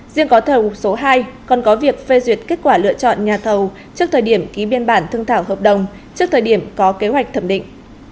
riêng gói thầu số hai còn có việc phê duyệt kết quả lựa chọn nhà thầu trước thời điểm ký biên bản thương thảo hợp đồng trước thời điểm có kế hoạch thẩm định